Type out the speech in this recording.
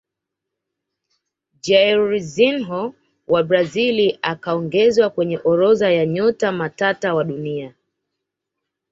jairzinho wa brazil akaongezwa kwenye orodha ya nyota matata wa dunia